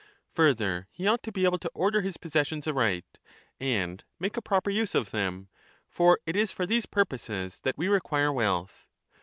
Further, he ought to be able to order his possessions aright and make a proper use of them ; for it is for these purposes that we require wealth.